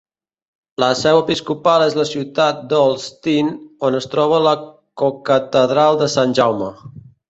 La seu episcopal és la ciutat d'Olsztyn, on es troba la cocatedral de Sant Jaume.